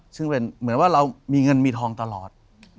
ซึ่งเป็นเหมือนว่าเรามีเงินมีทองตลอด